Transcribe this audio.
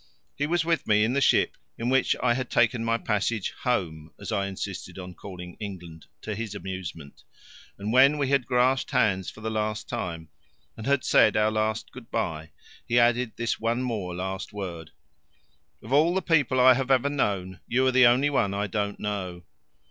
He was with me in the ship in which I had taken my passage "home," as I insisted on calling England, to his amusement, and when we had grasped hands for the last time and had said our last good bye, he added this one more last word: "Of all the people I have ever known you are the only one I don't know."